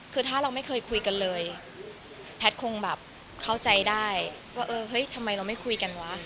คือถ้าเราไม่เคยคุยกันเลยแพทย์คงแบบเข้าใจได้ว่าเออเฮ้ยทำไมเราไม่คุยกันวะ